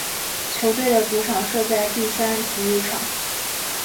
球队的主场设在碧山体育场。